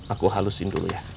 aku halusin dulu ya